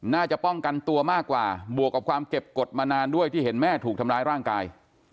น่าจะป้องกันตัวมากกว่าบวกกับความเก็บกฎมานานด้วยที่เห็นแม่ถูกทำร้ายร่างกาย